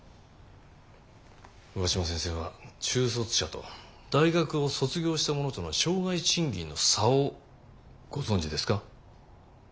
上嶋先生は中卒者と大学を卒業した者との生涯賃金の差をご存じですか？